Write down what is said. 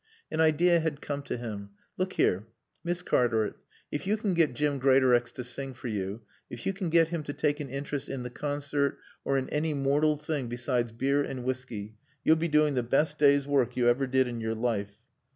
An idea had come to him. "Look here Miss Cartaret if you can get Jim Greatorex to sing for you, if you can get him to take an interest in the concert or in any mortal thing besides beer and whisky, you'll be doing the best day's work you ever did in your life."